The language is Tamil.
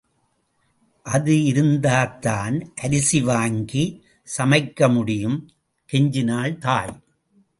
அது இருந்தாதான் அரிசி வாங்கி சமைக்க முடியும்... கொஞ்சினாள் தாய்.